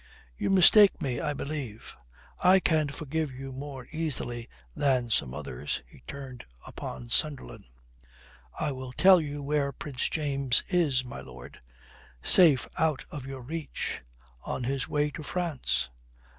"You mistake me, I believe. I can forgive you more easily than some others." He turned upon Sunderland. "I will tell you where Prince James is, my lord. Safe out of your reach. On his way to France."